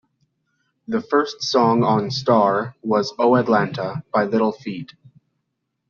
The first song on "Star" was "Oh Atlanta" by Little Feat.